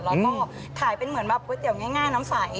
แล้วก็ขายเป็นเหมือนแบบก๋วยเตี๋ยวง่ายน้ำใส